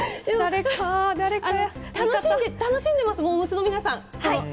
楽しんでいます、モー娘。の皆さん。